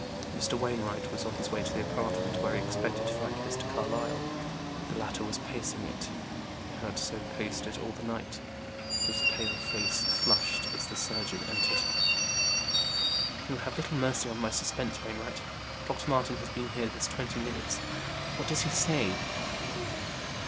Mr. Wainwright was on his way to the apartment where he expected to find Mr. Carlyle. The latter was pacing it; he had so paced it all the night. His pale face flushed as the surgeon entered. "You have little mercy on my suspense, Wainwright. Dr. Martin has been here this twenty minutes. What does he say?"